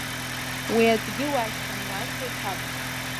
Уи атәгьы уашьҭан иуасҳәоит саб.